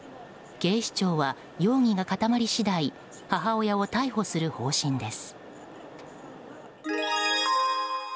警視庁は、容疑が固まり次第母親を逮捕する方針です。